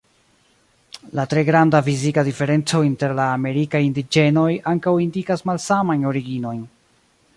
La tre granda fizika diferenco inter la amerikaj indiĝenoj ankaŭ indikas malsamajn originojn.